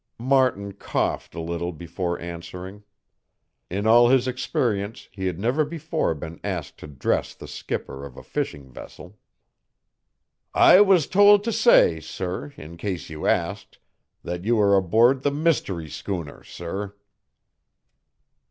Martin coughed a little before answering. In all his experience he had never before been asked to dress the skipper of a fishing vessel. "I was told to say, sir, in case you asked, that you are aboard the mystery schooner, sir."